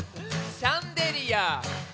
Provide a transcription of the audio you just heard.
「シャンデリア」